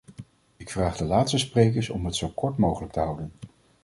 Ik vraag de laatste sprekers om het zo kort mogelijk te houden.